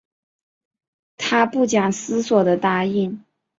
她不假思索的答应